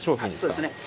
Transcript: そうですね。